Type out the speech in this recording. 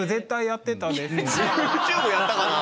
ＹｏｕＴｕｂｅやったかな？